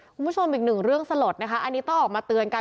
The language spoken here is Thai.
คุณผู้ชมอีกหนึ่งเรื่องสลดนะคะอันนี้ต้องออกมาเตือนกัน